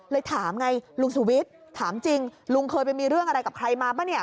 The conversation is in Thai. ถามไงลุงสุวิทย์ถามจริงลุงเคยไปมีเรื่องอะไรกับใครมาป่ะเนี่ย